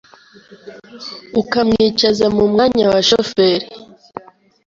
ukamwicaza mu mwanya wa shoferi,